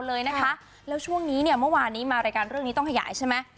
เลยนะคะแล้วช่วงนี้เนี่ยเมื่อวานนี้มารายการเรื่องนี้ต้องขยายใช่ไหม